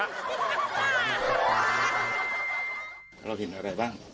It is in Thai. เราเห็นอะไรบ้าง